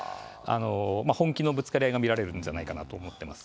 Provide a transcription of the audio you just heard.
本気のぶつかり合いが見られるんじゃないかなと思ってます。